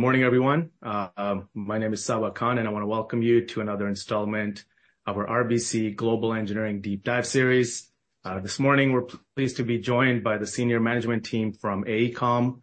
Good morning, everyone. My name is Sabahat Khan, and I want to welcome you to another installment of our RBC Global Engineering Deep Dive Series. This morning, we're pleased to be joined by the senior management team from AECOM.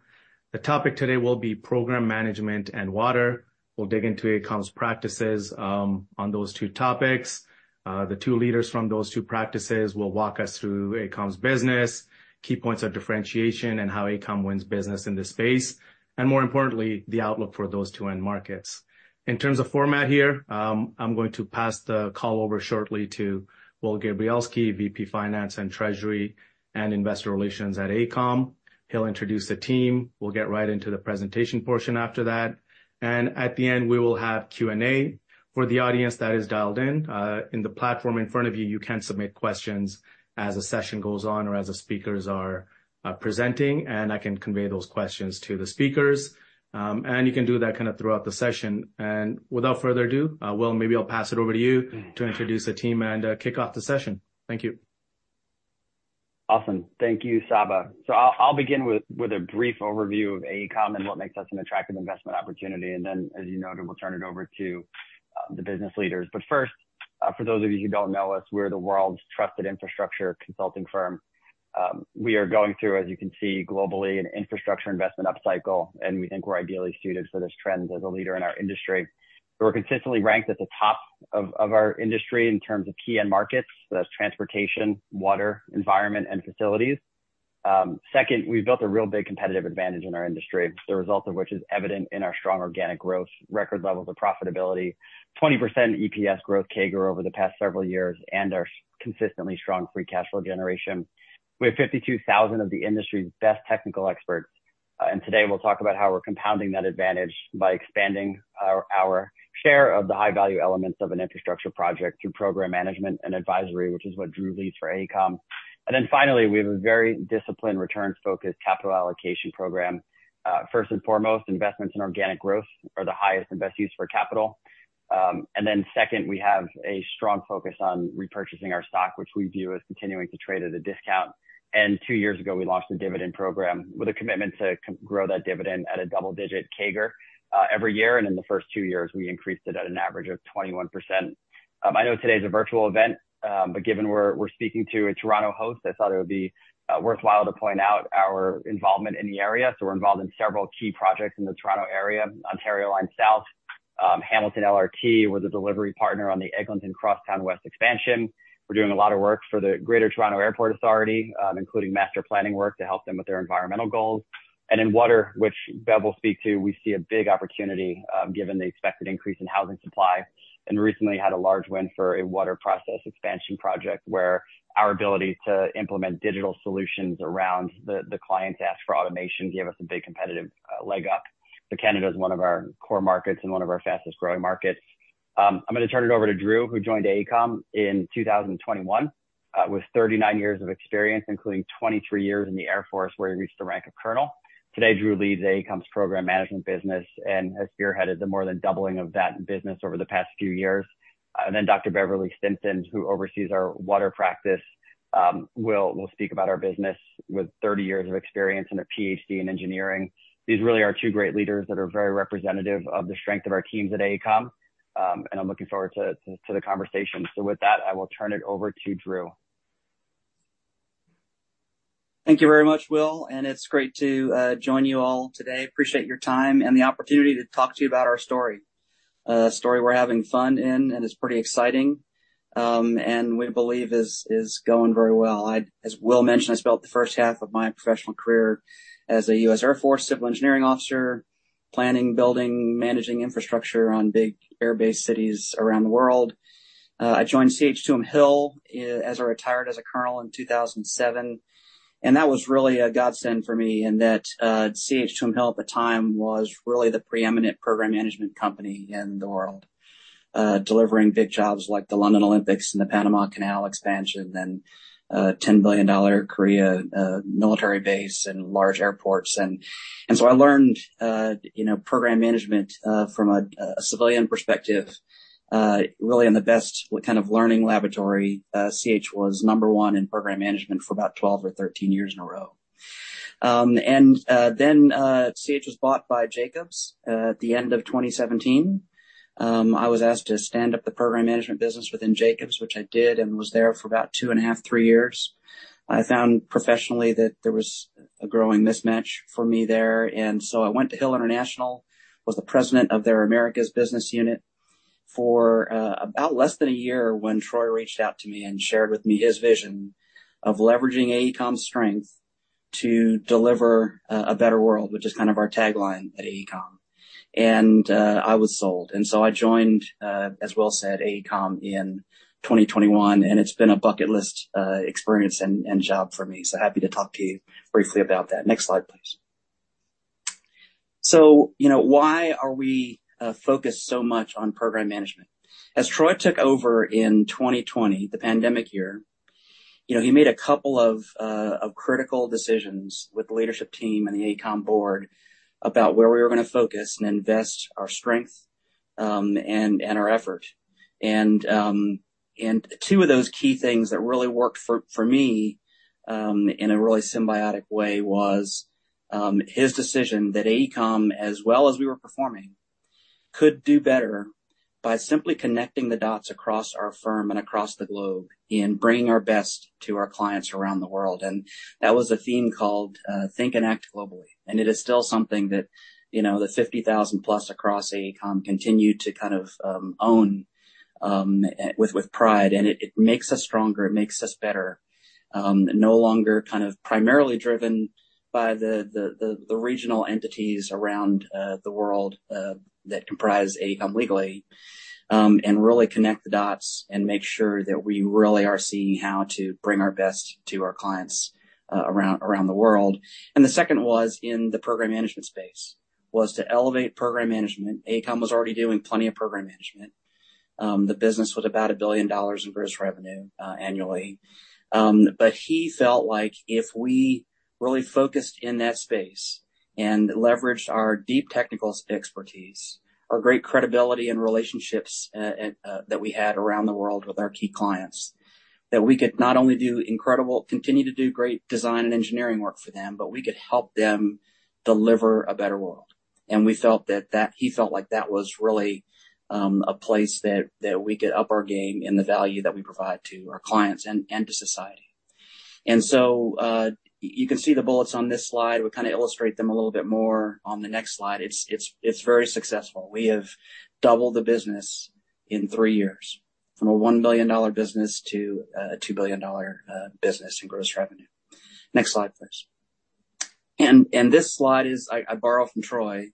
The topic today will be program management and water. We'll dig into AECOM's practices on those two topics. The two leaders from those two practices will walk us through AECOM's business, key points of differentiation, and how AECOM wins business in this space, and more importantly, the outlook for those two end markets. In terms of format here, I'm going to pass the call over shortly to Will Gabrielski, VP, Finance and Treasury and Investor Relations at AECOM. He'll introduce the team. We'll get right into the presentation portion after that, and at the end, we will have Q&A. For the audience that is dialed in, in the platform in front of you, you can submit questions as the session goes on or as the speakers are presenting, and I can convey those questions to the speakers. And you can do that kind of throughout the session. And without further ado, Will, maybe I'll pass it over to you to introduce the team and kick off the session. Thank you. Awesome. Thank you, Saba. So I'll, I'll begin with, with a brief overview of AECOM and what makes us an attractive investment opportunity, and then, as you noted, we'll turn it over to the business leaders. But first, for those of you who don't know us, we're the world's trusted infrastructure consulting firm. We are going through, as you can see, globally, an infrastructure investment upcycle, and we think we're ideally suited for this trend as a leader in our industry. We're consistently ranked at the top of, of our industry in terms of key end markets, that's transportation, water, environment, and facilities. Second, we've built a real big competitive advantage in our industry, the result of which is evident in our strong organic growth, record levels of profitability, 20% EPS growth CAGR over the past several years, and our consistently strong free cash flow generation. We have 52,000 of the industry's best technical experts, and today we'll talk about how we're compounding that advantage by expanding our share of the high-value elements of an infrastructure project through program management and advisory, which is what Drew leads for AECOM. And then finally, we have a very disciplined, returns-focused capital allocation program. First and foremost, investments in organic growth are the highest and best use for capital. And then second, we have a strong focus on repurchasing our stock, which we view as continuing to trade at a discount. Two years ago, we launched a dividend program with a commitment to grow that dividend at a double-digit CAGR every year, and in the first two years, we increased it at an average of 21%. I know today's a virtual event, but given we're speaking to a Toronto host, I thought it would be worthwhile to point out our involvement in the area. We're involved in several key projects in the Toronto area, Ontario Line South, Hamilton LRT. We're the delivery partner on the Eglinton Crosstown West Expansion. We're doing a lot of work for the Greater Toronto Airport Authority, including master planning work to help them with their environmental goals. In water, which Bev will speak to, we see a big opportunity, given the expected increase in housing supply, and recently had a large win for a water process expansion project, where our ability to implement digital solutions around the client's ask for automation gave us a big competitive leg up. So Canada is one of our core markets and one of our fastest-growing markets. I'm going to turn it over to Drew, who joined AECOM in 2021, with 39 years of experience, including 23 years in the Air Force, where he reached the rank of colonel. Today, Drew leads AECOM's program management business and has spearheaded the more than doubling of that business over the past few years. And then Dr. Beverley Stinson, who oversees our water practice, will speak about our business with 30 years of experience and a PhD in engineering. These really are two great leaders that are very representative of the strength of our teams at AECOM, and I'm looking forward to the conversation. With that, I will turn it over to Drew. Thank you very much, Will, and it's great to join you all today. Appreciate your time and the opportunity to talk to you about our story. A story we're having fun in, and it's pretty exciting, and we believe is going very well. As Will mentioned, I spent the first half of my professional career as a U.S. Air Force civil engineering officer, planning, building, managing infrastructure on big airbase cities around the world. I joined CH2M Hill as a retired as a colonel in 2007, and that was really a godsend for me in that, CH2M Hill, at the time, was really the preeminent program management company in the world, delivering big jobs like the London Olympics and the Panama Canal expansion and a $10 billion Korea military base and large airports. So I learned, you know, program management from a civilian perspective, really in the best kind of learning laboratory. CH was number one in program management for about 12 or 13 years in a row. And then CH was bought by Jacobs at the end of 2017. I was asked to stand up the program management business within Jacobs, which I did, and was there for about 2.5-3 years. I found professionally that there was a growing mismatch for me there, and so I went to Hill International, was the president of their Americas business unit for about less than a year, when Troy reached out to me and shared with me his vision of leveraging AECOM's strength to deliver a better world, which is kind of our tagline at AECOM. And I was sold, and so I joined as Will said, AECOM in 2021, and it's been a bucket list experience and job for me. So happy to talk to you briefly about that. Next slide, please. So, you know, why are we focused so much on program management? As Troy took over in 2020, the pandemic year, you know, he made a couple of critical decisions with the leadership team and the AECOM board about where we were going to focus and invest our strength and our effort. And two of those key things that really worked for me in a really symbiotic way was his decision that AECOM, as well as we were performing, could do better by simply connecting the dots across our firm and across the globe in bringing our best to our clients around the world. And that was a theme called Think and Act Globally. And it is still something that, you know, the 50,000+ across AECOM continue to kind of own with pride, and it makes us stronger, it makes us better. No longer kind of primarily driven by the regional entities around the world that comprise AECOM legally, and really connect the dots and make sure that we really are seeing how to bring our best to our clients around the world. And the second was in the program management space, was to elevate program management. AECOM was already doing plenty of program management. The business was about $1 billion in gross revenue annually. But he felt like if we really focused in that space and leveraged our deep technical expertise, our great credibility and relationships that we had around the world with our key clients, that we could not only do incredible, continue to do great design and engineering work for them, but we could help them deliver a better world. And we felt that. He felt like that was really a place that we could up our game in the value that we provide to our clients and to society. And so, you can see the bullets on this slide. We'll kinda illustrate them a little bit more on the next slide. It's very successful. We have doubled the business in three years, from a $1 billion business to a $2 billion business in gross revenue. Next slide, please. And this slide is. I borrowed from Troy.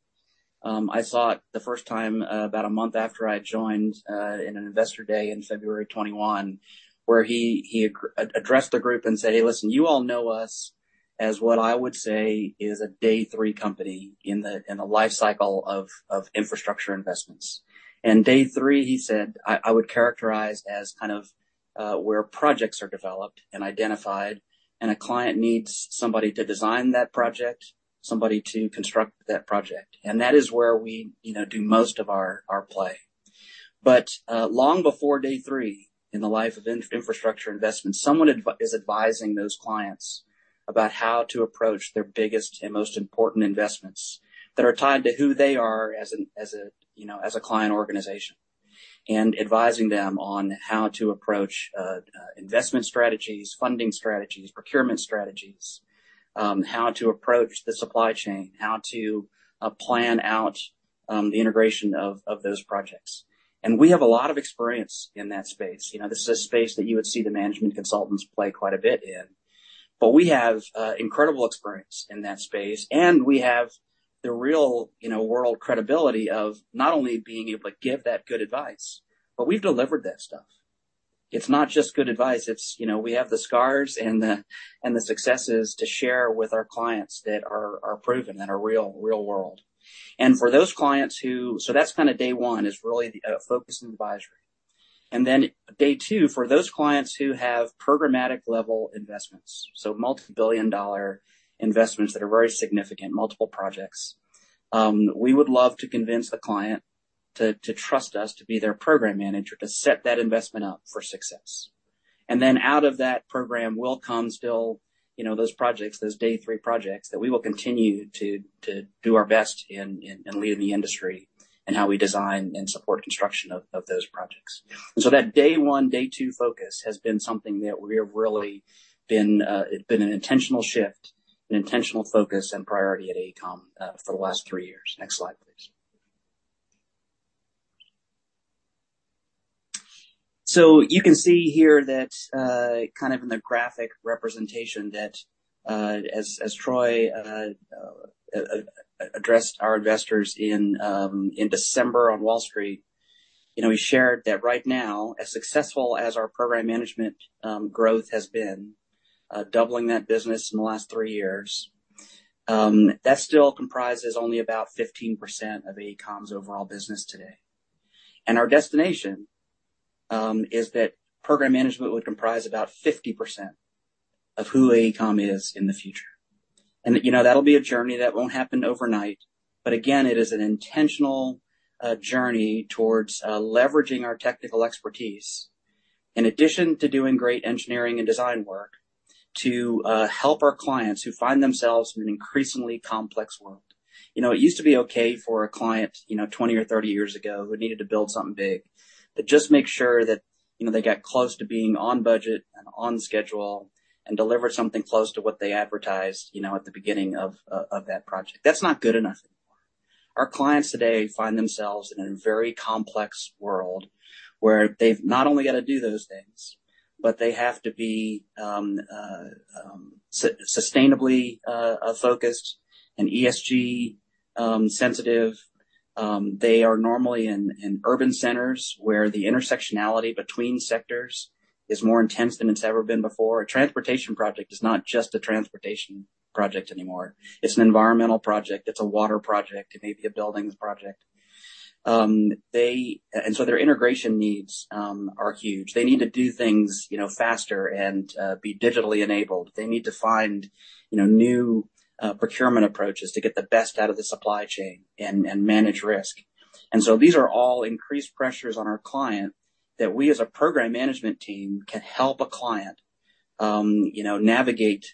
I saw it the first time, about a month after I joined, in an investor day in February of 2021, where he addressed the group and said: "Hey, listen, you all know us as what I would say is a day three company in the life cycle of infrastructure investments." "And day three," he said, "I would characterize as kind of, where projects are developed and identified, and a client needs somebody to design that project, somebody to construct that project. And that is where we, you know, do most of our play. But, long before day three, in the life of infrastructure investments, someone is advising those clients about how to approach their biggest and most important investments that are tied to who they are as an, as a, you know, as a client organization, and advising them on how to approach, investment strategies, funding strategies, procurement strategies, how to approach the supply chain, how to plan out, the integration of those projects. And we have a lot of experience in that space. You know, this is a space that you would see the management consultants play quite a bit in. But we have incredible experience in that space, and we have the real, you know, world credibility of not only being able to give that good advice, but we've delivered that stuff. It's not just good advice, it's, you know, we have the scars and the successes to share with our clients that are proven and are real, real-world. And for those clients who, so that's kinda day one, is really focus and advisory. And then day two, for those clients who have programmatic-level investments, so multi-billion dollar investments that are very significant, multiple projects, we would love to convince the client to trust us to be their program manager, to set that investment up for success. And then out of that program will come still, you know, those projects, those day three projects, that we will continue to do our best in leading the industry in how we design and support construction of those projects. That day one, day two focus has been something that we have really been, it's been an intentional shift, an intentional focus and priority at AECOM for the last three years. Next slide, please. You can see here that, kind of in the graphic representation that, as Troy addressed our investors in December on Wall Street, you know, he shared that right now, as successful as our program management growth has been, doubling that business in the last three years, that still comprises only about 15% of AECOM's overall business today. Our destination is that program management would comprise about 50% of who AECOM is in the future. You know, that'll be a journey. That won't happen overnight. But again, it is an intentional journey towards leveraging our technical expertise, in addition to doing great engineering and design work, to help our clients who find themselves in an increasingly complex world. You know, it used to be okay for a client, you know, 20 or 30 years ago, who needed to build something big, to just make sure that, you know, they got close to being on budget and on schedule and delivered something close to what they advertised, you know, at the beginning of that project. That's not good enough anymore. Our clients today find themselves in a very complex world, where they've not only got to do those things, but they have to be sustainably focused and ESG sensitive. They are normally in urban centers, where the intersectionality between sectors is more intense than it's ever been before. A transportation project is not just a transportation project anymore. It's an environmental project. It's a water project. It may be a buildings project. And so their integration needs are huge. They need to do things, you know, faster and be digitally enabled. They need to find, you know, new procurement approaches to get the best out of the supply chain and manage risk. And so these are all increased pressures on our client that we, as a program management team, can help a client, you know, navigate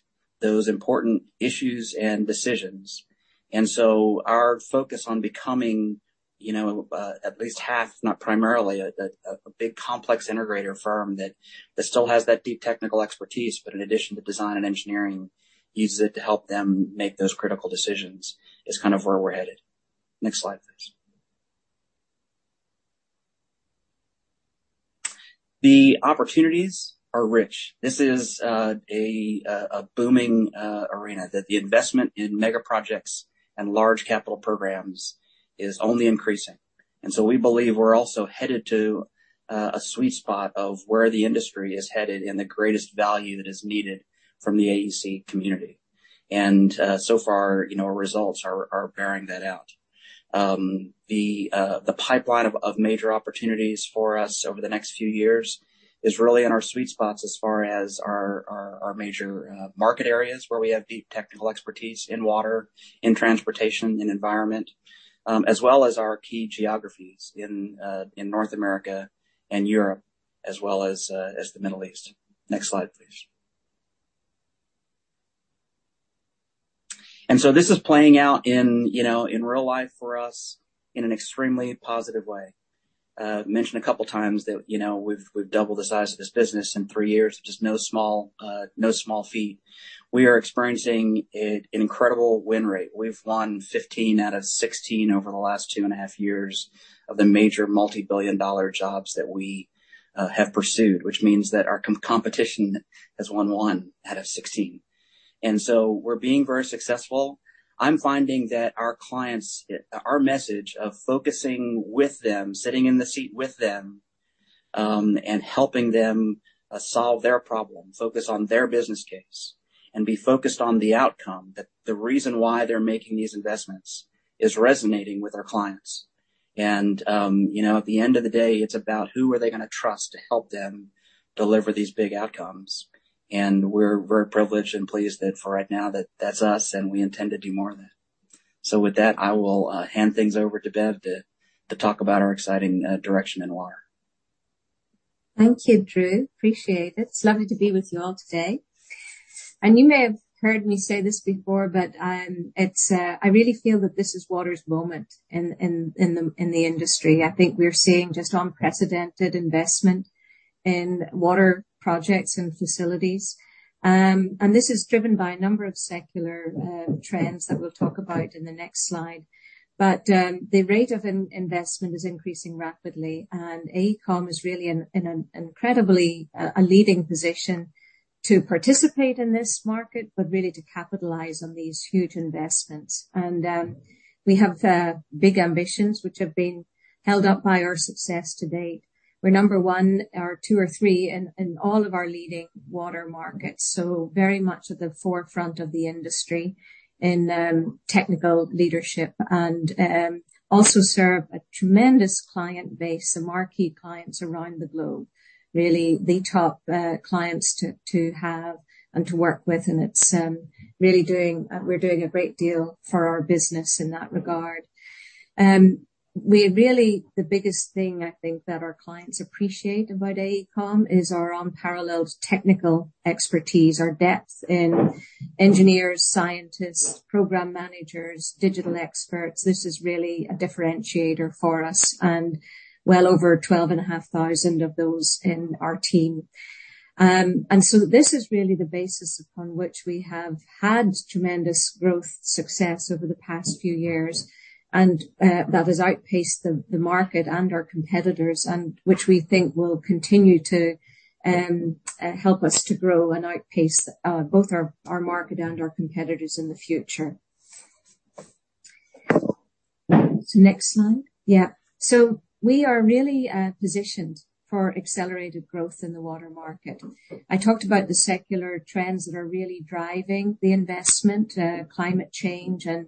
those important issues and decisions. And so our focus on becoming, you know, at least half, not primarily a big complex integrator firm that still has that deep technical expertise, but in addition to design and engineering, uses it to help them make those critical decisions, is kind of where we're headed. Next slide, please. The opportunities are rich. This is a booming arena that the investment in mega projects and large capital programs is only increasing. And so far, you know, our results are bearing that out. The pipeline of major opportunities for us over the next few years is really in our sweet spots as far as our major market areas, where we have deep technical expertise in water, in transportation, in environment, as well as our key geographies in North America and Europe, as well as the Middle East. Next slide, please. And so this is playing out in, you know, in real life for us in an extremely positive way. I mentioned a couple of times that, you know, we've doubled the size of this business in three years. Just no small feat. We are experiencing an incredible win rate. We've won 15 out of 16 over the last 2.5 years of the major multi-billion-dollar jobs that we have pursued, which means that our competition has won 1 out of 16. So we're being very successful. I'm finding that our clients, our message of focusing with them, sitting in the seat with them, and helping them solve their problem, focus on their business case, and be focused on the outcome, that the reason why they're making these investments, is resonating with our clients. You know, at the end of the day, it's about who are they gonna trust to help them deliver these big outcomes? We're very privileged and pleased that for right now, that's us, and we intend to do more of that. So with that, I will hand things over to Bev to talk about our exciting direction in water. Thank you, Drew. Appreciate it. It's lovely to be with you all today. You may have heard me say this before, but I really feel that this is water's moment in the industry. I think we're seeing just unprecedented investment in water projects and facilities. This is driven by a number of secular trends that we'll talk about in the next slide. The rate of investment is increasing rapidly, and AECOM is really in an incredibly leading position to participate in this market, but really to capitalize on these huge investments. We have big ambitions which have been held up by our success to date. We're number one, or two or three in all of our leading water markets, so very much at the forefront of the industry in technical leadership and also serve a tremendous client base and marquee clients around the globe. Really, the top clients to have and to work with, and it's really doing a great deal for our business in that regard. We really, the biggest thing I think that our clients appreciate about AECOM is our unparalleled technical expertise, our depth in engineers, scientists, program managers, digital experts. This is really a differentiator for us, and well over 12,500 of those in our team. And so this is really the basis upon which we have had tremendous growth success over the past few years, and that has outpaced the market and our competitors, and which we think will continue to help us to grow and outpace both our market and our competitors in the future. So next slide. So we are really positioned for accelerated growth in the water market. I talked about the secular trends that are really driving the investment, climate change and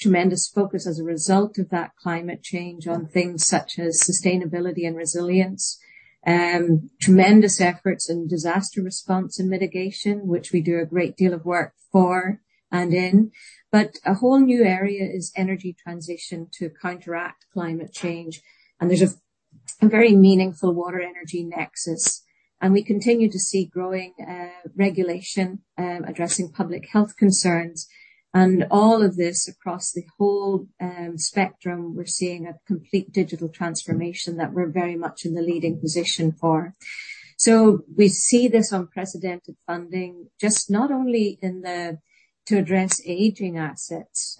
tremendous focus as a result of that climate change on things such as sustainability and resilience, tremendous efforts in disaster response and mitigation, which we do a great deal of work for and in. But a whole new area is energy transition to counteract climate change, and there's a very meaningful water energy nexus, and we continue to see growing regulation addressing public health concerns. All of this across the whole spectrum, we're seeing a complete digital transformation that we're very much in the leading position for. So we see this unprecedented funding, just not only to address aging assets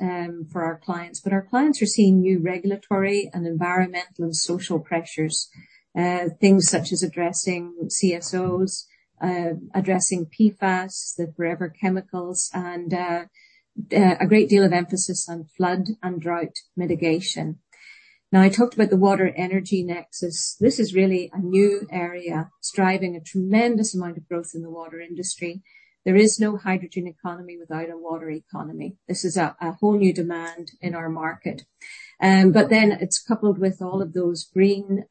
for our clients, but our clients are seeing new regulatory and environmental and social pressures. Things such as addressing CSOs, addressing PFAS, the forever chemicals, and a great deal of emphasis on flood and drought mitigation. Now, I talked about the water energy nexus. This is really a new area, striving a tremendous amount of growth in the water industry. There is no hydrogen economy without a water economy. This is a whole new demand in our market. But then it's coupled with all of those green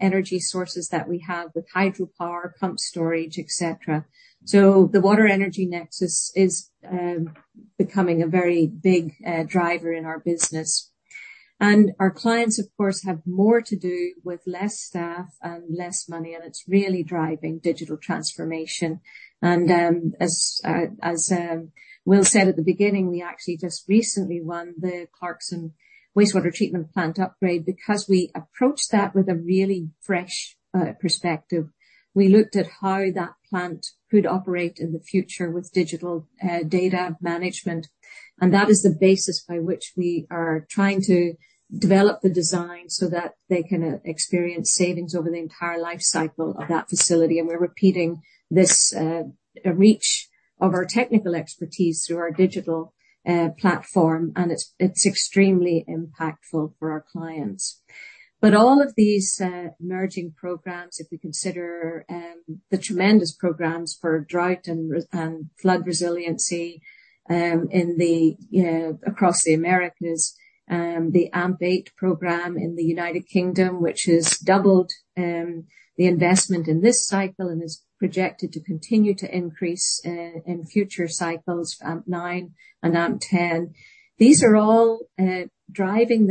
energy sources that we have with hydropower, pumped storage, et cetera. So the water energy nexus is becoming a very big driver in our business. And our clients, of course, have more to do with less staff and less money, and it's really driving digital transformation. And, as Will said at the beginning, we actually just recently won the Clarkson Wastewater Treatment Plant upgrade because we approached that with a really fresh perspective. We looked at how that plant could operate in the future with digital data management, and that is the basis by which we are trying to develop the design so that they can experience savings over the entire life cycle of that facility. We're repeating this reach of our technical expertise through our digital platform, and it's extremely impactful for our clients. But all of these emerging programs, if we consider the tremendous programs for drought and flood resiliency across the Americas, the AMP8 program in the United Kingdom, which has doubled the investment in this cycle and is projected to continue to increase in future cycles, AMP9 and AMP10. These are all driving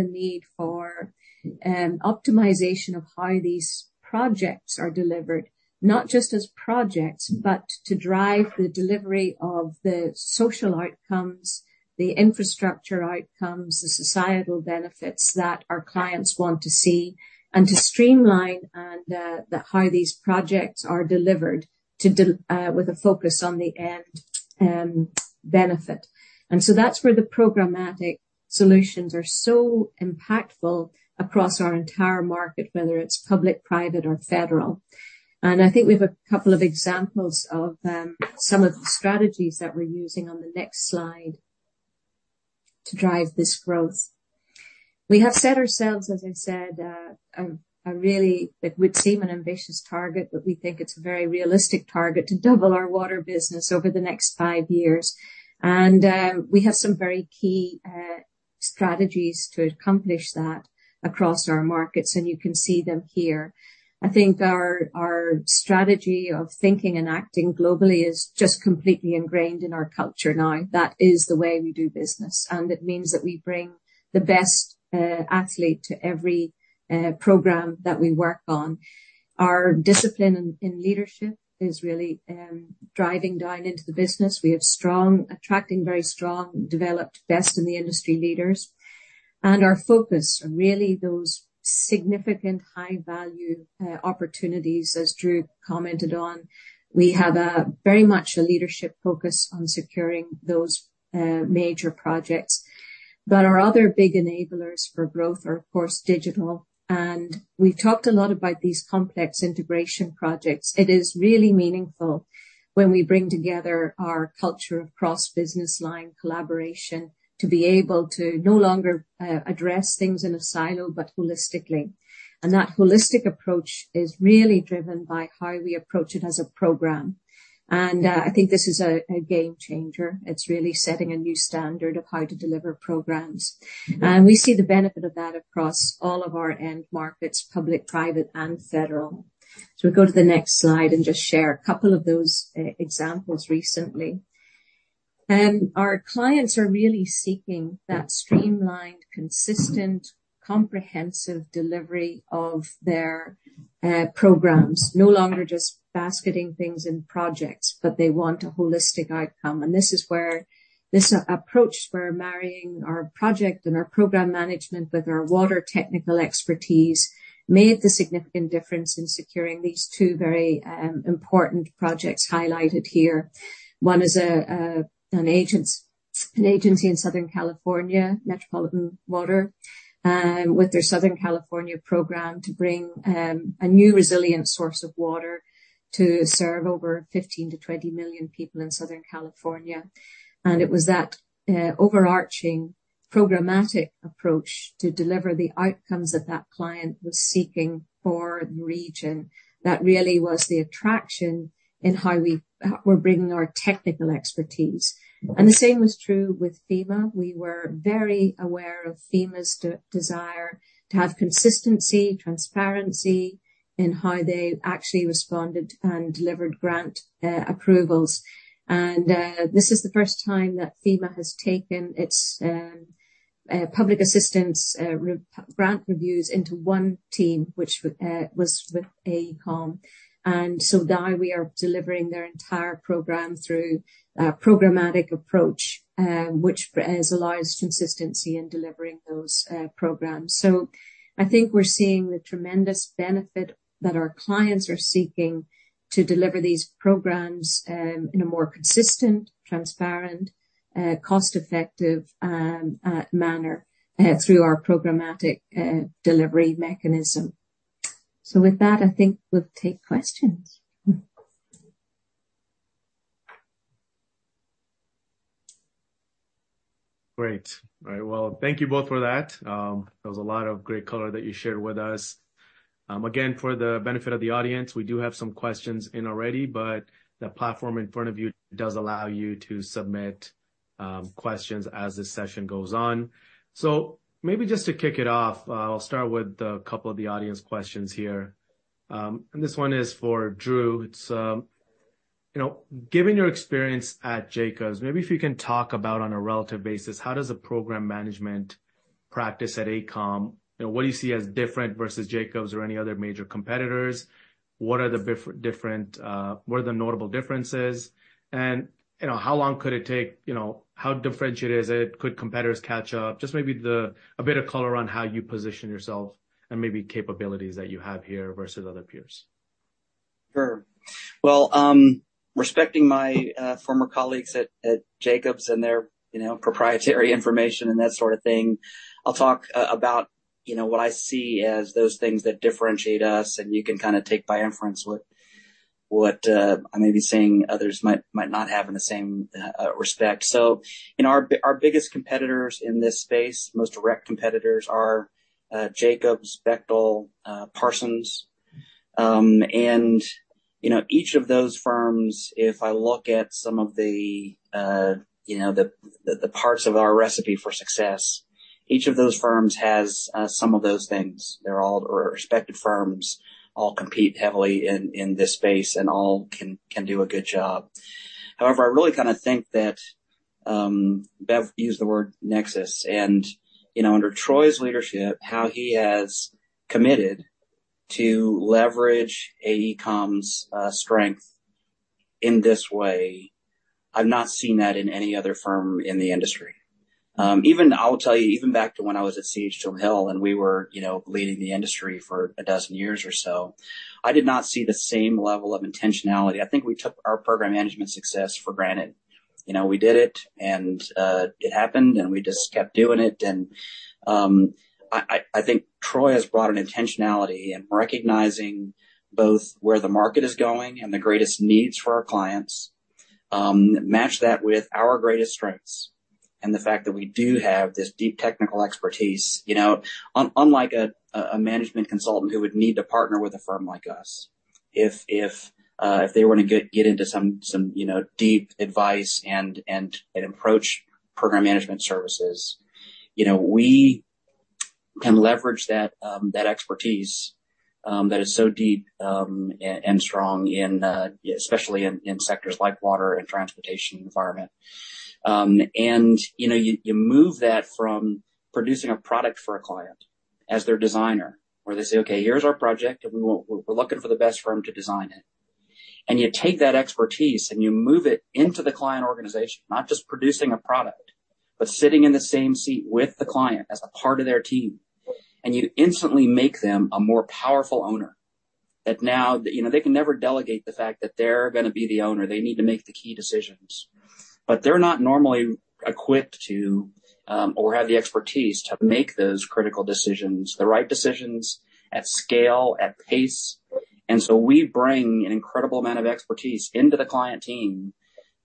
the need for optimization of how these projects are delivered, not just as projects, but to drive the delivery of the social outcomes, the infrastructure outcomes, the societal benefits that our clients want to see, and to streamline the how these projects are delivered with a focus on the end benefit. And so that's where the programmatic solutions are so impactful across our entire market, whether it's public, private, or federal. And I think we've a couple of examples of some of the strategies that we're using on the next slide to drive this growth. We have set ourselves, as I said, a really ambitious target. It would seem an ambitious target, but we think it's a very realistic target to double our water business over the next five years. And we have some very key strategies to accomplish that across our markets, and you can see them here. I think our strategy of thinking and acting globally is just completely ingrained in our culture now. That is the way we do business, and it means that we bring the best athlete to every program that we work on. Our discipline in leadership is really driving down into the business. We have strong attracting very strong, developed, best-in-the-industry leaders. And our focus are really those significant high-value opportunities, as Drew commented on. We have a very much a leadership focus on securing those major projects. But our other big enablers for growth are, of course, digital, and we've talked a lot about these complex integration projects. It is really meaningful when we bring together our culture of cross-business line collaboration to be able to no longer address things in a silo, but holistically. And that holistic approach is really driven by how we approach it as a program. And I think this is a game changer. It's really setting a new standard of how to deliver programs. We see the benefit of that across all of our end markets, public, private, and federal. So we go to the next slide and just share a couple of those examples recently. Our clients are really seeking that streamlined, consistent, comprehensive delivery of their programs. No longer just basketing things in projects, but they want a holistic outcome. And this is where this approach, where marrying our project and our program management with our water technical expertise, made the significant difference in securing these two very important projects highlighted here. One is an agency in Southern California, Metropolitan Water, with their Southern California program to bring a new resilient source of water to serve over 15-20 million people in Southern California. And it was that overarching programmatic approach to deliver the outcomes that that client was seeking for the region. That really was the attraction in how we are bringing our technical expertise. And the same was true with FEMA. We were very aware of FEMA's desire to have consistency, transparency in how they actually responded to and delivered grant approvals. And this is the first time that FEMA has taken its public assistance grant reviews into one team, which was with AECOM. And so now we are delivering their entire program through a programmatic approach, which allows consistency in delivering those programs. I think we're seeing the tremendous benefit that our clients are seeking to deliver these programs in a more consistent, transparent, cost-effective manner through our programmatic delivery mechanism. With that, I think we'll take questions. Great. All right, well, thank you both for that. That was a lot of great color that you shared with us. Again, for the benefit of the audience, we do have some questions in already, but the platform in front of you does allow you to submit questions as the session goes on. So maybe just to kick it off, I'll start with a couple of the audience questions here. This one is for Drew. It's, you know, given your experience at Jacobs, maybe if you can talk about, on a relative basis, how does a program management practice at AECOM, you know, what do you see as different versus Jacobs or any other major competitors? What are the different? What are the notable differences? And, you know, how long could it take, you know, how differentiated is it? Could competitors catch up? Just maybe, a bit of color on how you position yourself and maybe capabilities that you have here versus other peers. Sure. Well, respecting my former colleagues at Jacobs and their, you know, proprietary information and that sort of thing, I'll talk about, you know, what I see as those things that differentiate us, and you can kind of take by inference what I may be saying others might not have in the same respect. So, you know, our biggest competitors in this space, most direct competitors are Jacobs, Bechtel, Parsons. And, you know, each of those firms, if I look at some of the parts of our recipe for success, each of those firms has some of those things. They're all respected firms, all compete heavily in this space, and all can do a good job. However, I really kind of think that, Bev used the word nexus, and, you know, under Troy's leadership, how he has committed to leverage AECOM's strength in this way, I've not seen that in any other firm in the industry. Even I'll tell you, even back to when I was at CH2M Hill, and we were, you know, leading the industry for a dozen years or so, I did not see the same level of intentionality. I think we took our program management success for granted. You know, we did it, and it happened, and we just kept doing it. I think Troy has brought an intentionality in recognizing both where the market is going and the greatest needs for our clients, match that with our greatest strengths and the fact that we do have this deep technical expertise. You know, unlike a management consultant who would need to partner with a firm like us if they were to get into some, you know, deep advice and approach program management services. You know, we can leverage that expertise that is so deep and strong, especially in sectors like water and transportation and environment. And, you know, you move that from producing a product for a client as their designer, where they say, "Okay, here's our project, and we're looking for the best firm to design it." And you take that expertise, and you move it into the client organization, not just producing a product, but sitting in the same seat with the client as a part of their team, and you instantly make them a more powerful owner. That now... You know, they can never delegate the fact that they're going to be the owner. They need to make the key decisions, but they're not normally equipped to or have the expertise to make those critical decisions, the right decisions at scale, at pace. And so we bring an incredible amount of expertise into the client team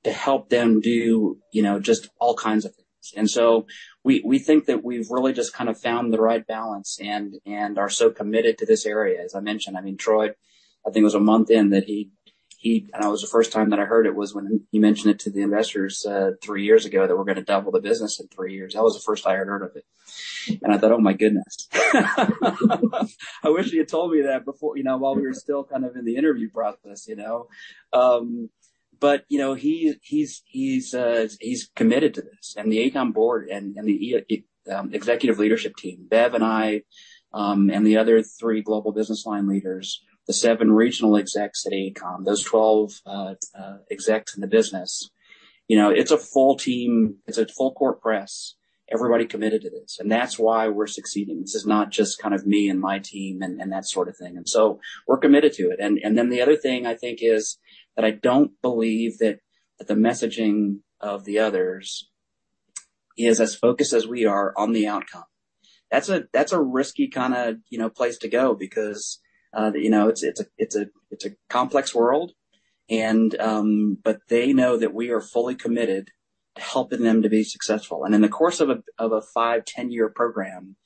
to help them do, you know, just all kinds of things. And so we think that we've really just kind of found the right balance and are so committed to this area. As I mentioned, I mean, Troy, I think it was a month in that he and that was the first time that I heard it, was when he mentioned it to the investors three years ago, that we're going to double the business in three years. That was the first I had heard of it, and I thought, "Oh, my goodness!" I wish he had told me that before, you know, while we were still kind of in the interview process, you know? But, you know, he’s committed to this, and the AECOM board and the executive leadership team, Bev and I, and the other three global business line leaders, the seven regional execs at AECOM, those twelve execs in the business. You know, it's a full team. It's a full court press. Everybody committed to this, and that's why we're succeeding. This is not just kind of me and my team and that sort of thing, and so we're committed to it. Then the other thing I think is that I don't believe that the messaging of the others is as focused as we are on the outcome. That's a risky kind of, you know, place to go because, you know, it's a complex world, but they know that we are fully committed to helping them to be successful. And in the course of a 5-10-year program,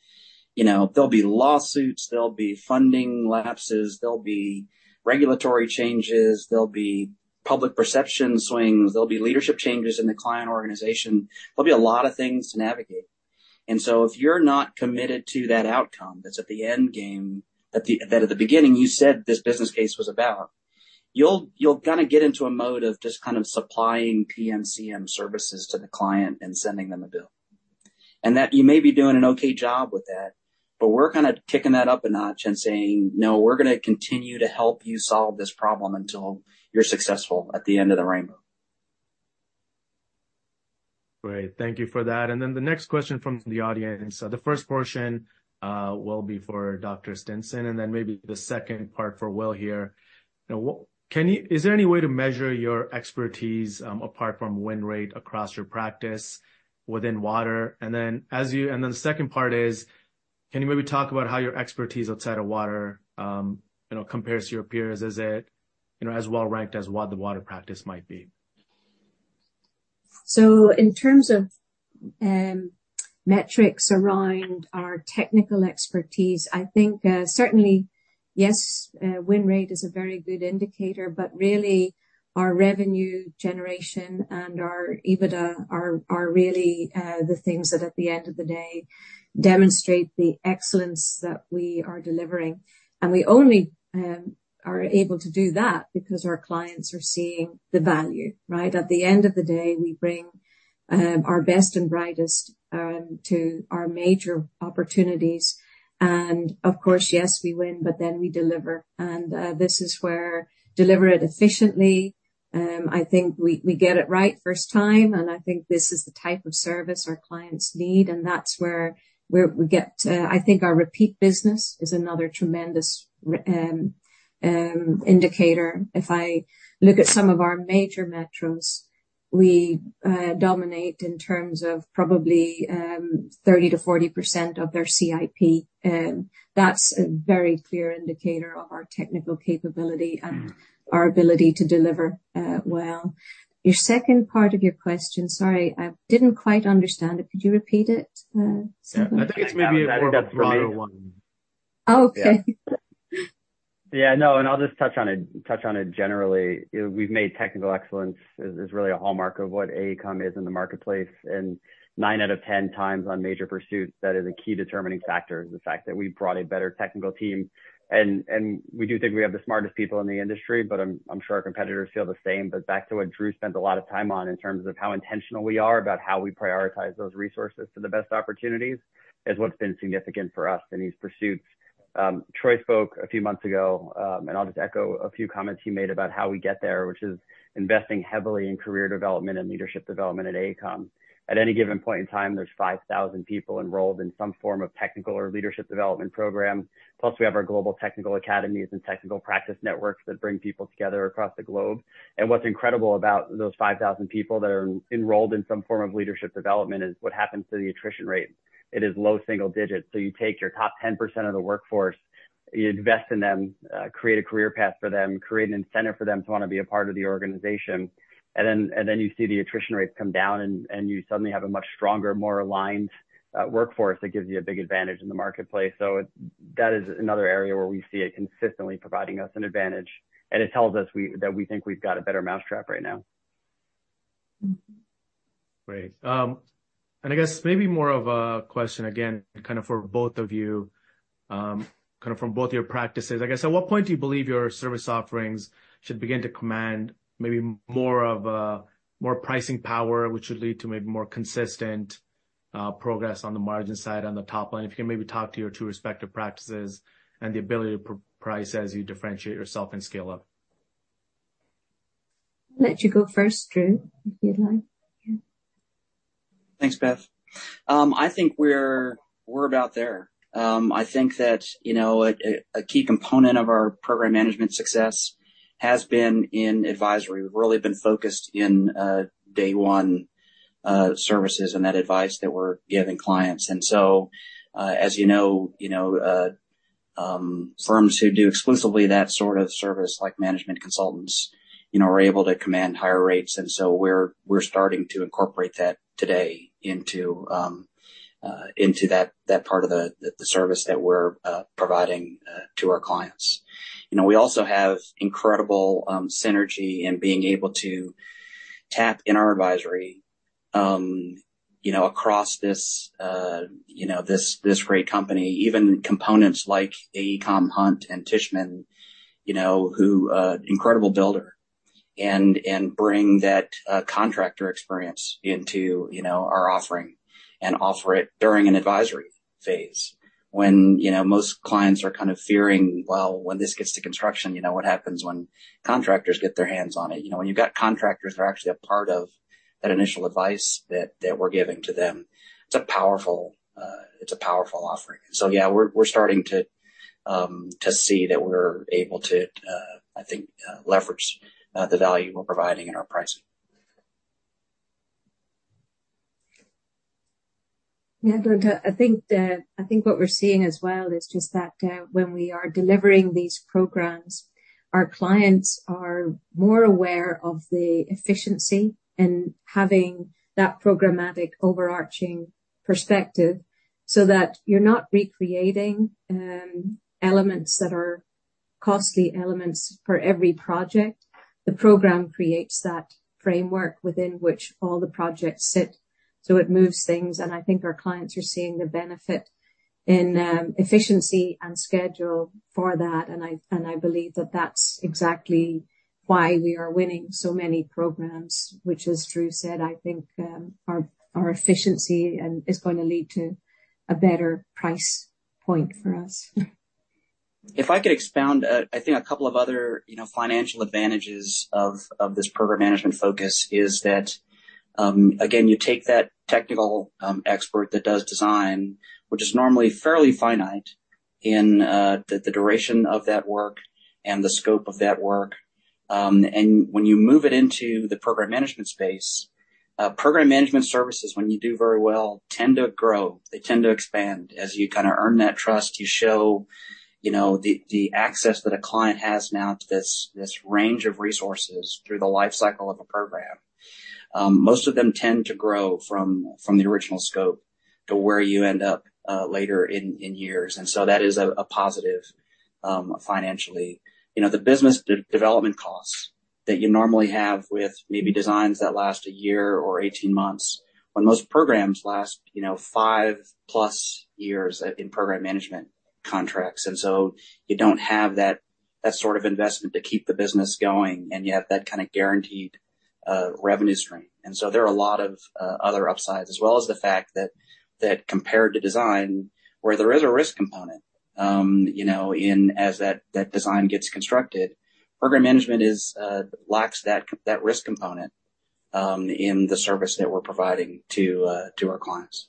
you know, there'll be lawsuits, there'll be funding lapses, there'll be regulatory changes, there'll be public perception swings, there'll be leadership changes in the client organization. There'll be a lot of things to navigate. If you're not committed to that outcome that's at the end game, that at the beginning you said this business case was about, you'll kind of get into a mode of just kind of supplying PMCM services to the client and sending them a bill. And that you may be doing an okay job with that, but we're kind of kicking that up a notch and saying: "No, we're going to continue to help you solve this problem until you're successful at the end of the rainbow. Great. Thank you for that. And then the next question from the audience, the first portion, will be for Dr. Stinson, and then maybe the second part for Will here. Is there any way to measure your expertise, apart from win rate, across your practice within water? And then the second part is: Can you maybe talk about how your expertise outside of water, you know, compares to your peers? Is it, you know, as well-ranked as what the water practice might be? So in terms of metrics around our technical expertise, I think certainly yes, win rate is a very good indicator, but really, our revenue generation and our EBITDA are really the things that, at the end of the day, demonstrate the excellence that we are delivering. And we only are able to do that because our clients are seeing the value, right? At the end of the day, we bring our best and brightest to our major opportunities. And of course, yes, we win, but then we deliver. And this is where deliver it efficiently. I think we get it right first time, and I think this is the type of service our clients need, and that's where we get. I think our repeat business is another tremendous indicator. If I look at some of our major metros, we dominate in terms of probably 30%-40% of their CIP. That's a very clear indicator of our technical capability and our ability to deliver well. Your second part of your question, sorry, I didn't quite understand it. Could you repeat it, Sumit? Yeah. I think it's maybe more of a broader one. Okay. Yeah, no, and I'll just touch on it generally. We've made technical excellence is really a hallmark of what AECOM is in the marketplace, and 9 out of 10 times on major pursuits, that is a key determining factor, is the fact that we've brought a better technical team. And we do think we have the smartest people in the industry, but I'm sure our competitors feel the same. But back to what Drew spent a lot of time on, in terms of how intentional we are about how we prioritize those resources to the best opportunities, is what's been significant for us in these pursuits. Troy spoke a few months ago, and I'll just echo a few comments he made about how we get there, which is investing heavily in career development and leadership development at AECOM. At any given point in time, there's 5,000 people enrolled in some form of technical or leadership development program. Plus, we have our global technical academies and technical practice networks that bring people together across the globe. And what's incredible about those 5,000 people that are enrolled in some form of leadership development is what happens to the attrition rate. It is low single digits. So you take your top 10% of the workforce, you invest in them, create a career path for them, create an incentive for them to want to be a part of the organization, and then, and then you see the attrition rates come down, and, and you suddenly have a much stronger, more aligned, workforce that gives you a big advantage in the marketplace. So that is another area where we see it consistently providing us an advantage, and it tells us that we think we've got a better mousetrap right now. Great. And I guess maybe more of a question again, kind of for both of you, kind of from both your practices. I guess, at what point do you believe your service offerings should begin to command maybe more of a, more pricing power, which would lead to maybe more consistent, progress on the margin side, on the top line? If you can maybe talk to your two respective practices and the ability to price as you differentiate yourself and scale up. I'll let you go first, Drew, if you'd like. Yeah. Thanks, Beth. I think we're about there. I think that, you know, a key component of our program management success has been in advisory. We've really been focused in day one services and that advice that we're giving clients. And so, as you know, you know, firms who do exclusively that sort of service, like management consultants, you know, are able to command higher rates, and so we're starting to incorporate that today into that part of the service that we're providing to our clients. You know, we also have incredible synergy in being able to tap in our advisory, you know, across this, you know, this great company, even components like AECOM Hunt and Tishman, you know, who incredible builder, and bring that contractor experience into, you know, our offering, and offer it during an advisory phase. When, you know, most clients are kind of fearing, well, when this gets to construction, you know, what happens when contractors get their hands on it? You know, when you've got contractors that are actually a part of that initial advice that we're giving to them, it's a powerful, it's a powerful offering. So yeah, we're starting to see that we're able to, I think, leverage the value we're providing in our pricing. Yeah, and, I think, I think what we're seeing as well is just that, when we are delivering these programs, our clients are more aware of the efficiency in having that programmatic, overarching perspective, so that you're not recreating, elements that are costly elements for every project. The program creates that framework within which all the projects sit, so it moves things, and I think our clients are seeing the benefit in, efficiency and schedule for that, and I, and I believe that that's exactly why we are winning so many programs, which, as Drew said, I think, our, our efficiency, is going to lead to a better price point for us. If I could expound, I think a couple of other, you know, financial advantages of this program management focus is that, again, you take that technical expert that does design, which is normally fairly finite in the duration of that work and the scope of that work. And when you move it into the program management space, program management services, when you do very well, tend to grow. They tend to expand. As you kind of earn that trust, you show, you know, the access that a client has now to this range of resources through the life cycle of a program. Most of them tend to grow from the original scope to where you end up later in years. And so that is a positive financially. You know, the business development costs that you normally have with maybe designs that last a year or 18 months, when most programs last, you know, 5-plus years in program management contracts. And so you don't have that sort of investment to keep the business going, and you have that kind of guaranteed revenue stream. And so there are a lot of other upsides, as well as the fact that compared to design, where there is a risk component, you know, in as that design gets constructed, program management lacks that risk component in the service that we're providing to our clients.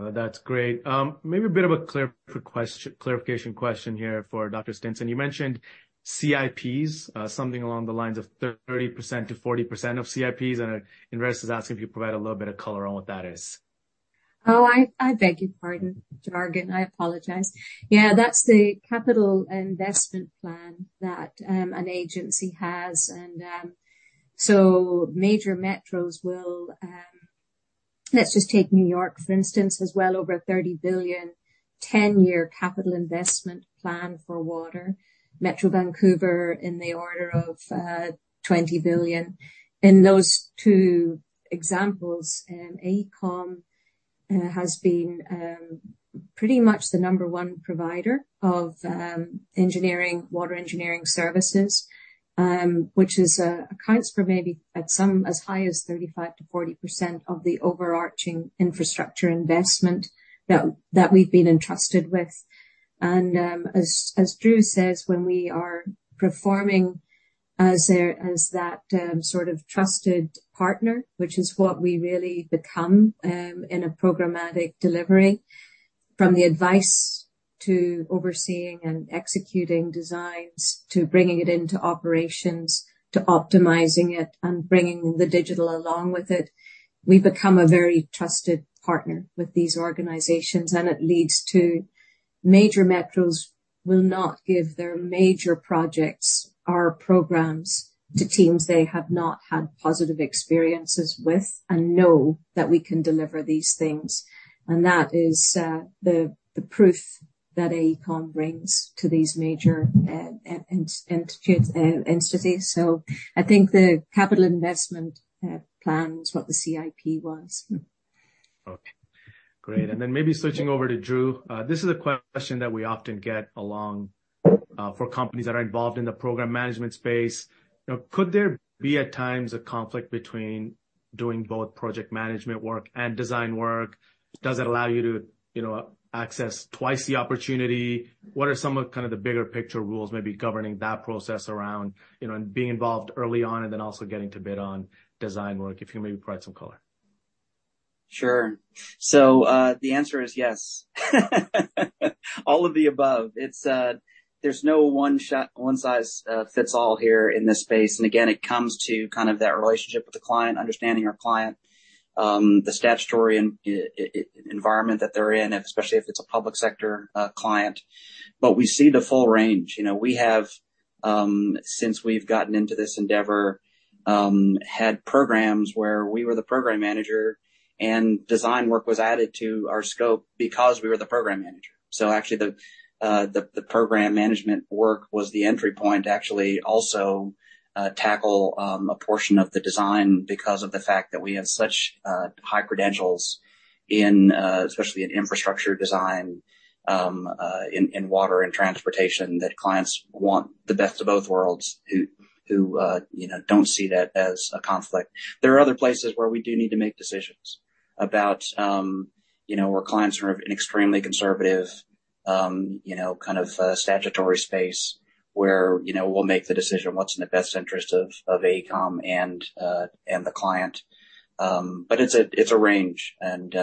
That's great. Maybe a bit of a clarification question here for Dr. Stinson. You mentioned CIPs, something along the lines of 30%-40% of CIPs, and an investor is asking if you provide a little bit of color on what that is. Oh, I beg your pardon, jargon. I apologize. Yeah, that's the capital investment plan that an agency has. And so major metros will. Let's just take New York, for instance, as well, over a $30 billion ten-year capital investment plan for water. Metro Vancouver in the order of $20 billion. In those two examples, AECOM has been pretty much the number one provider of engineering, water engineering services, which is accounts for maybe at some as high as 35%-40% of the overarching infrastructure investment that we've been entrusted with. And, as Drew says, when we are performing as their, as that sort of trusted partner, which is what we really become in a programmatic delivery, from the advice to overseeing and executing designs, to bringing it into operations, to optimizing it and bringing the digital along with it, we become a very trusted partner with these organizations. And it leads to major metros will not give their major projects or programs to teams they have not had positive experiences with and know that we can deliver these things. And that is the proof that AECOM brings to these major institutions. So I think the capital investment plan is what the CIP was. Okay, great. And then maybe switching over to Drew. This is a question that we often get along for companies that are involved in the program management space. You know, could there be, at times, a conflict between doing both project management work and design work? Does it allow you to, you know, access twice the opportunity? What are some of kind of the bigger picture rules maybe governing that process around, you know, and being involved early on and then also getting to bid on design work, if you maybe provide some color? Sure. So, the answer is yes. All of the above. It's, there's no one size fits all here in this space. And again, it comes to kind of that relationship with the client, understanding our client, the statutory environment that they're in, especially if it's a public sector client. But we see the full range. You know, we have, since we've gotten into this endeavor, had programs where we were the program manager, and design work was added to our scope because we were the program manager. So actually, the program management work was the entry point to actually also tackle a portion of the design because of the fact that we have such high credentials in especially in infrastructure design in water and transportation, that clients want the best of both worlds, who you know don't see that as a conflict. There are other places where we do need to make decisions about you know where clients are in extremely conservative you know kind of statutory space, where you know we'll make the decision what's in the best interest of AECOM and the client. But it's a range. You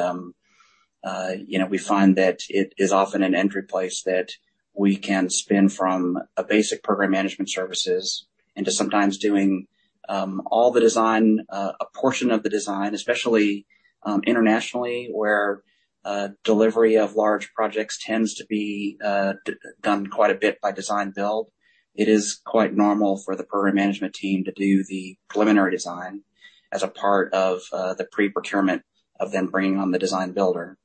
know, we find that it is often an entry place that we can spin from a basic program management services into sometimes doing all the design, a portion of the design, especially internationally, where delivery of large projects tends to be done quite a bit by design-build. It is quite normal for the program management team to do the preliminary design as a part of the pre-procurement of them bringing on the design-builder.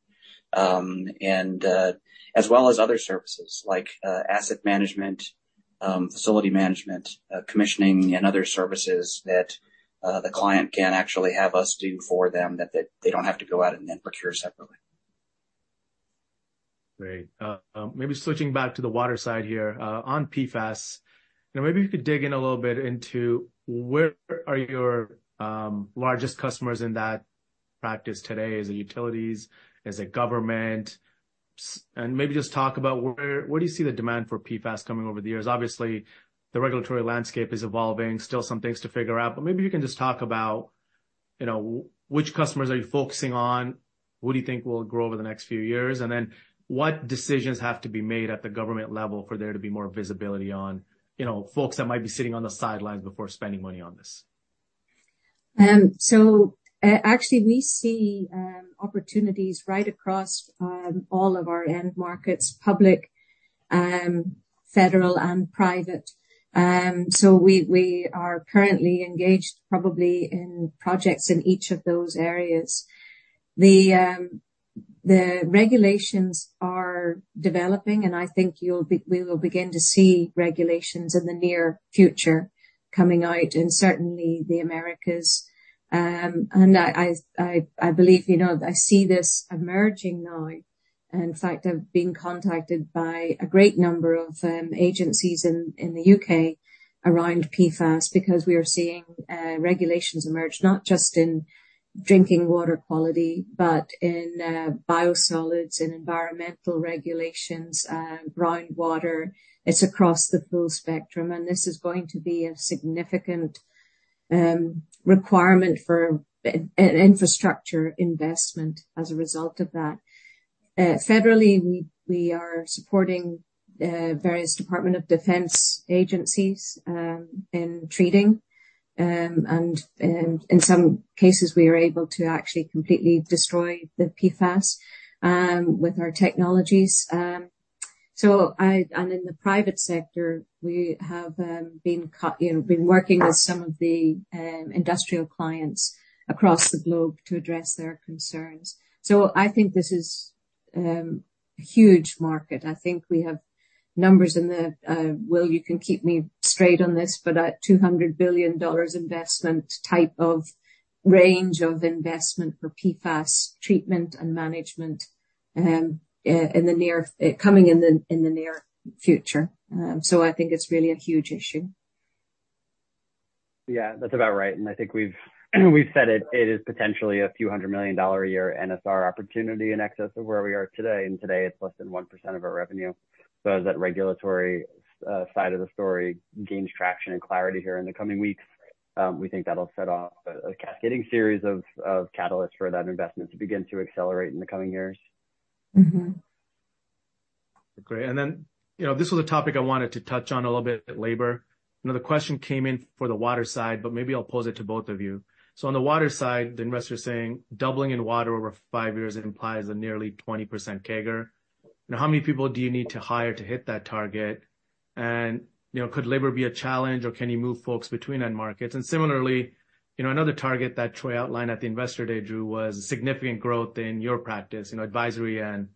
As well as other services like asset management, facility management, commissioning and other services that the client can actually have us do for them, that they don't have to go out and then procure separately. Great. Maybe switching back to the water side here, on PFAS, you know, maybe you could dig in a little bit into where are your largest customers in that practice today? Is it utilities, is it government? And maybe just talk about where, where do you see the demand for PFAS coming over the years? Obviously, the regulatory landscape is evolving. Still some things to figure out, but maybe you can just talk about, you know, which customers are you focusing on? What do you think will grow over the next few years? And then what decisions have to be made at the government level for there to be more visibility on, you know, folks that might be sitting on the sidelines before spending money on this? So, actually, we see opportunities right across all of our end markets, public, federal, and private. So we are currently engaged, probably in projects in each of those areas. The regulations are developing, and I think you'll be we will begin to see regulations in the near future coming out, and certainly the Americas. And I believe, you know, I see this emerging now. In fact, I've been contacted by a great number of agencies in the UK around PFAS because we are seeing regulations emerge, not just in drinking water quality, but in biosolids, in environmental regulations, groundwater. It's across the full spectrum, and this is going to be a significant requirement for an infrastructure investment as a result of that. Federally, we are supporting various Department of Defense agencies in treating, and in some cases, we are able to actually completely destroy the PFAS with our technologies. So, and in the private sector, we have been, you know, been working with some of the industrial clients across the globe to address their concerns. So I think this is a huge market. I think we have numbers in the, Will, you can keep me straight on this, but, $200 billion investment type of range of investment for PFAS treatment and management, in the near future. So I think it's really a huge issue. Yeah, that's about right. And I think we've said it, it is potentially $ a few hundred million a year NSR opportunity in excess of where we are today, and today it's less than 1% of our revenue. So as that regulatory side of the story gains traction and clarity here in the coming weeks, we think that'll set off a cascading series of catalysts for that investment to begin to accelerate in the coming years. Great. Then, you know, this was a topic I wanted to touch on a little bit, labor. Another question came in for the water side, but maybe I'll pose it to both of you. On the water side, the investor is saying, doubling in water over five years implies a nearly 20% CAGR. Now, how many people do you need to hire to hit that target? And, you know, could labor be a challenge, or can you move folks between end markets? And similarly, you know, another target that Troy outlined at the Investor Day, Drew, was significant growth in your practice, you know, Advisory and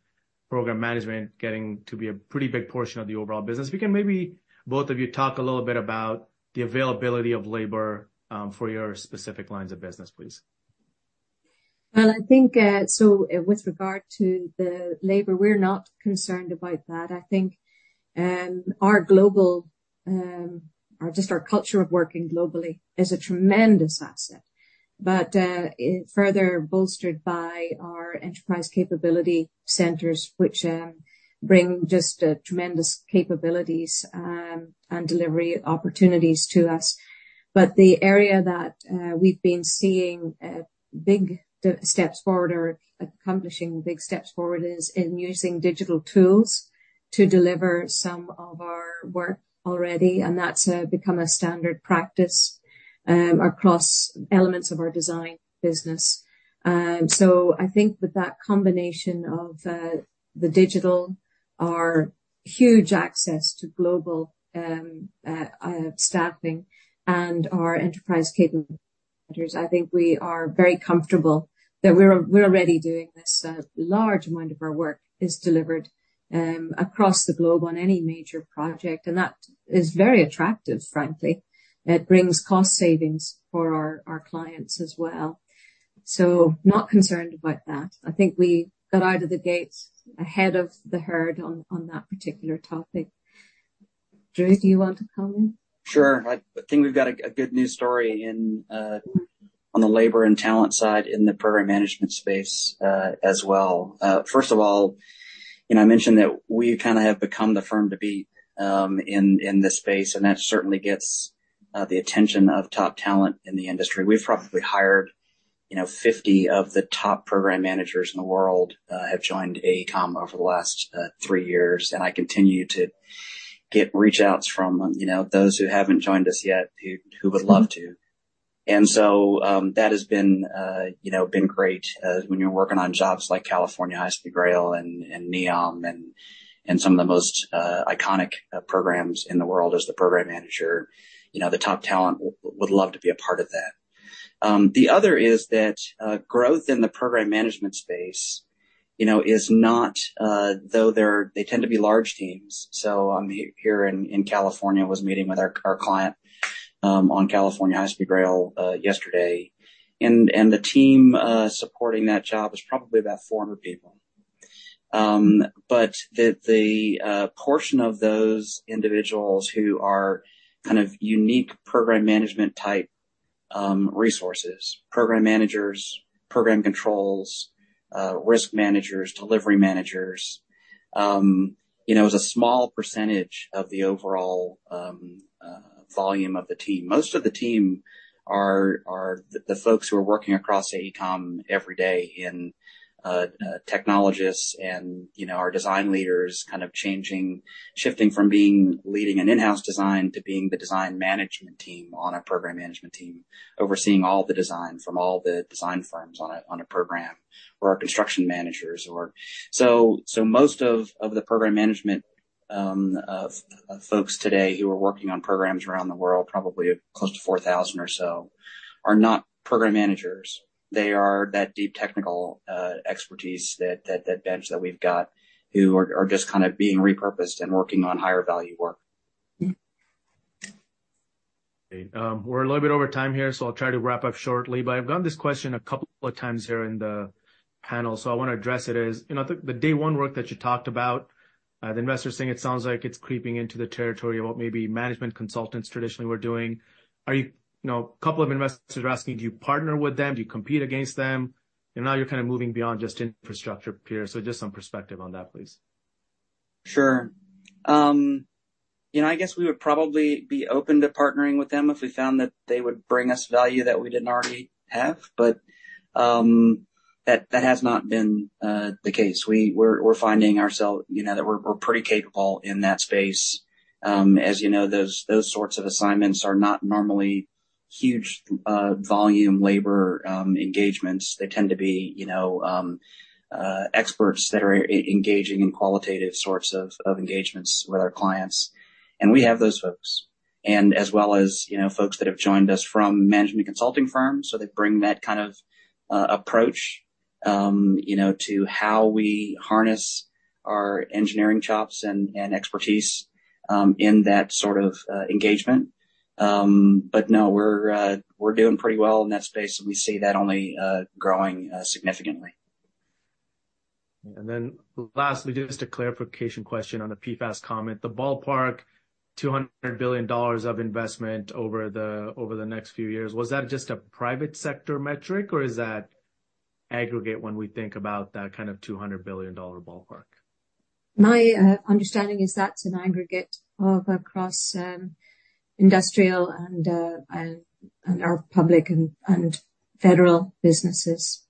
Program Management, getting to be a pretty big portion of the overall business. We can maybe both of you talk a little bit about the availability of labor for your specific lines of business, please. Well, I think, so with regard to the labor, we're not concerned about that. I think, our global, or just our culture of working globally is a tremendous asset, but, it further bolstered by our Enterprise Capability Centers, which, bring just, tremendous capabilities, and delivery opportunities to us. But the area that, we've been seeing, big steps forward or accomplishing big steps forward is in using digital tools to deliver some of our work already, and that's, become a standard practice, across elements of our design business. So I think with that combination of, the digital, our huge access to global, staffing and our enterprise capability, I think we are very comfortable that we're, we're already doing this. A large amount of our work is delivered across the globe on any major project, and that is very attractive, frankly. It brings cost savings for our clients as well. So not concerned about that. I think we got out of the gates ahead of the herd on that particular topic. Drew, do you want to come in? Sure. I think we've got a good news story in on the labor and talent side in the program management space, as well. First of all, you know, I mentioned that we kinda have become the firm to beat in this space, and that certainly gets the attention of top talent in the industry. We've probably hired, you know, 50 of the top program managers in the world have joined AECOM over the last 3 years, and I continue to get reach outs from, you know, those who haven't joined us yet, who would love to. And so, that has been, you know, been great. When you're working on jobs like California High-Speed Rail and NEOM and some of the most iconic programs in the world as the program manager, you know, the top talent would love to be a part of that. The other is that growth in the program management space, you know, is not, though they're, they tend to be large teams. So I'm here in California, was meeting with our client on California High-Speed Rail yesterday. And the team supporting that job is probably about 400 people. But the portion of those individuals who are kind of unique program management type resources, program managers, program controls, risk managers, delivery managers, you know, is a small percentage of the overall volume of the team. Most of the team are the folks who are working across AECOM every day in technologists and, you know, our design leaders kind of changing, shifting from being leading an in-house design to being the design management team on a program management team, overseeing all the design from all the design firms on a program, or our construction managers or. So most of the program management folks today who are working on programs around the world, probably close to 4,000 or so, are not program managers. They are that deep technical expertise, that bench that we've got, who are just kind of being repurposed and working on higher value work. Great. We're a little bit over time here, so I'll try to wrap up shortly, but I've gotten this question a couple of times here in the panel, so I wanna address it, is: You know, the day one work that you talked about, the investors are saying it sounds like it's creeping into the territory of what maybe management consultants traditionally were doing. Are you? You know, a couple of investors are asking: Do you partner with them? Do you compete against them? And now you're kind of moving beyond just infrastructure peers. So just some perspective on that, please. Sure. You know, I guess we would probably be open to partnering with them if we found that they would bring us value that we didn't already have. But that has not been the case. We're finding ourselves, you know, that we're pretty capable in that space. As you know, those sorts of assignments are not normally huge volume, labor engagements. They tend to be, you know, experts that are engaging in qualitative sorts of engagements with our clients, and we have those folks. And as well as, you know, folks that have joined us from management consulting firms, so they bring that kind of approach, you know, to how we harness our engineering chops and expertise in that sort of engagement. But no, we're doing pretty well in that space, and we see that only growing significantly. And then lastly, just a clarification question on the PFAS comment. The ballpark, $200 billion of investment over the next few years, was that just a private sector metric, or is that aggregate when we think about that kind of $200 billion dollar ballpark? My understanding is that's an aggregate of across industrial and our public and federal businesses.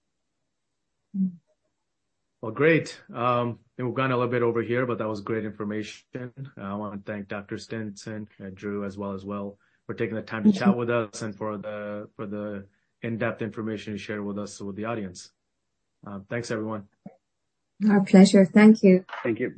Well, great. We've gone a little bit over here, but that was great information. I want to thank Dr. Stinson and Drew as well for taking the time to chat with us and for the in-depth information you shared with us, with the audience. Thanks, everyone. Our pleasure. Thank you. Thank you.